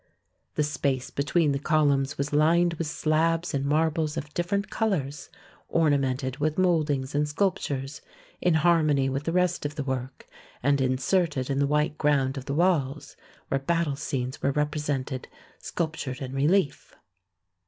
The space between the columns was lined with slabs and marbles of different colours, or namented with mouldings and sculptures, in harmony with the rest of the work, and inserted in the white ground of the walls, where battle scenes were repre sented sculptured in relief.